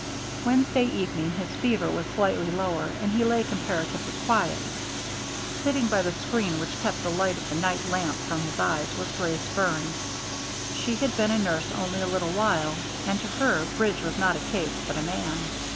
Wednesday evening his fever was slightly lower and he lay comparatively quiet. Sitting by the screen which kept the light of the night lamp from his eyes was Grace Burns. She had been a nurse only a little while, and to her Bridge was not a case but a man.